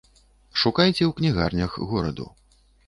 Шукайце ў кнігарнях гораду.